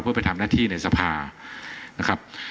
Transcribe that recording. เพื่อไปทำหน้าที่ในสภานะครับ